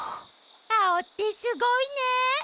アオってすごいね。